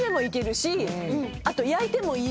あと。